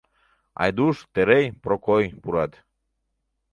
Айдуш, Терей, Прокой пурат.